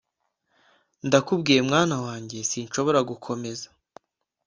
ndakubwiye mwana wanjye sinshobora gukomeza